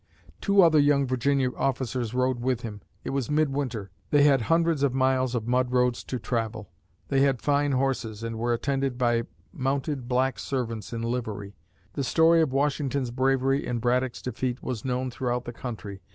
Two other young Virginia officers rode with him. It was midwinter. They had hundreds of miles of mud roads to travel. They had fine horses and were attended by mounted black servants in livery. The story of Washington's bravery in Braddock's defeat was known throughout the country.